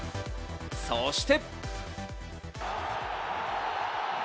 そして。